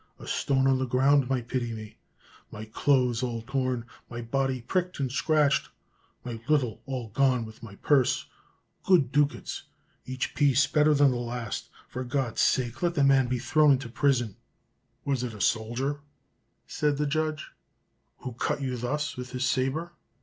a stone on the ground might pity me; my clothes all torn, my body pricked and scratched, my little all gone with my purse, good ducats, each piece better than the last; for God's sake let the man be thrown into prison!" "Was it a soldier," said the judge, "who cut you thus with his sabre?"